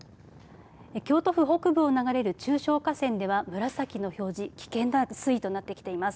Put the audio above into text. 京都府北部を流れる中小河川では紫の表示危険な水位となってきています。